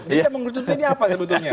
jadi kita mengurucut ini apa sebetulnya